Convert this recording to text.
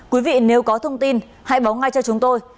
quý vị nếu có thông tin hãy báo ngay cho chúng tôi